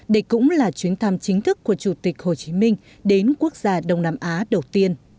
đây cũng là chuyến thăm chính thức của chủ tịch hồ chí minh đến quốc gia đông nam á đầu tiên